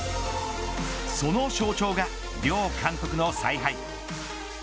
その象徴が両監督の采配。